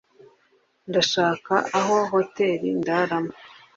ngashaka aho hoteri ndaramo